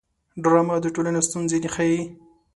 ډرامه د ټولنې ستونزې ښيي